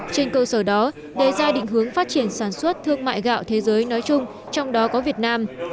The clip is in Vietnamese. trên cơ sở đó đề ra định hướng phát triển sản xuất thương mại gạo thế giới nói chung trong đó có việt nam